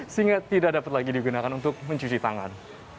sehingga tidak dapat lagi digunakan untuk mencuci tangan